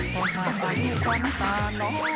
ต้องสามารถอยู่ตรงตาน้องเฮ้ย